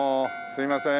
すいません。